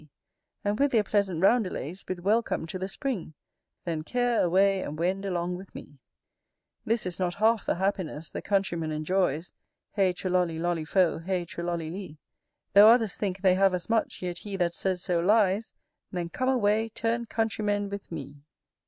And with their pleasant roundelays Bid welcome to the spring: Then care away, etc. This is not half the happiness The countryman enjoys Heigh trolollie lollie foe, etc., Though others think they have as much, Yet he that says so lies: Then come away, Turn countrymen with me.